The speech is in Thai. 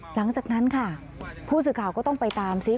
หลังจากนั้นค่ะผู้สื่อข่าวก็ต้องไปตามซิ